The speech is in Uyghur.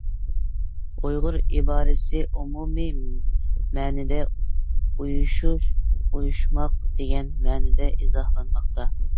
«ئۇيغۇر» ئىبارىسى ئومۇمىي مەنىدە «ئويۇشۇش، ئويۇشماق» دېگەن مەنىدە ئىزاھلانماقتا.